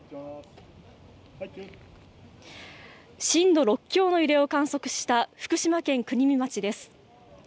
震度６強の揺れを観測した福島県国見町です。